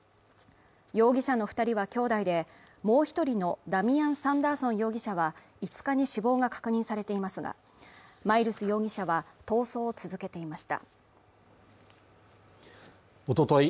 容疑者の二人は兄弟でもう一人のダミアン・サンダーソン容疑者は５日に死亡が確認されていますがマイルス容疑者は逃走を続けていましたおととい